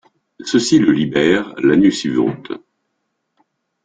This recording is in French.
Ceux-ci le libèrent l'année suivante.